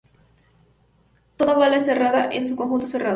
Toda bola cerrada es un conjunto cerrado.